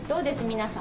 皆さん。